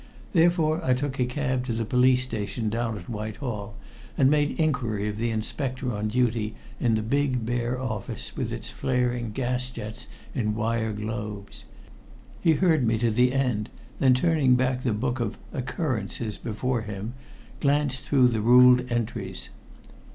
Therefore I took a cab to the police station down at Whitehall, and made inquiry of the inspector on duty in the big bare office with its flaring gas jets in wire globes. He heard me to the end, then turning back the book of "occurrences" before him, glanced through the ruled entries.